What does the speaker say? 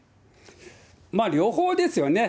まあ、両方ですよね。